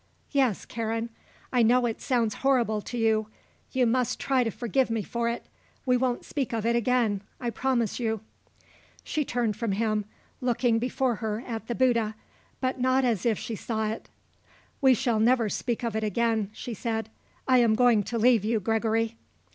"Yes, Karen. I know it sounds horrible to you. You must try to forgive me for it. We won't speak of it again; I promise you." She turned from him, looking before her at the Bouddha, but not as if she saw it. "We shall never speak of it again," she said. "I am going to leave you, Gregory."